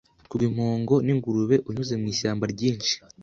Kugwa impongo n'ingurube unyuze mu ishyamba ryinshi